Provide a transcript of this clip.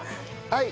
はい。